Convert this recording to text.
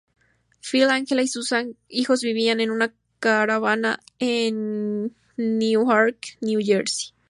Phil, Angela y sus hijos vivían en una caravana en Newark, New Jersey.